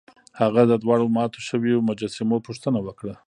هغه د دواړو ماتو شویو مجسمو پوښتنه وکړه.